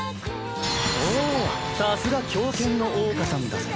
おおさすが狂犬の桜花さんだぜ。